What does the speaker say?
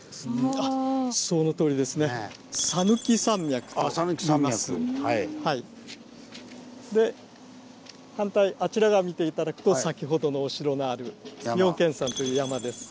あぁ讃岐山脈。で反対あちら側見て頂くと先ほどのお城のある妙見山という山です。